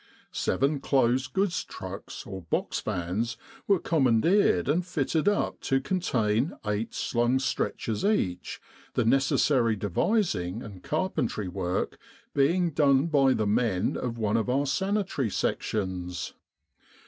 Seven closed goods trucks, or box vans, were com mandeered and fitted up to contain eight slung stretchers each, the necessary devising and carpenter work being done by the men of one of our Sanitary Sections.